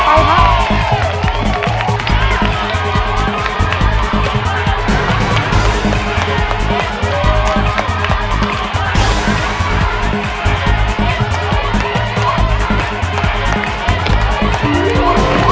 โอ้โฮ